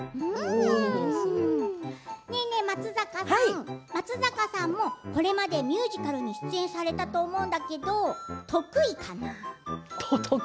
ねえねえ、松坂さん松坂さんも、これまでミュージカルに主演されたと思うんだけど得意かな？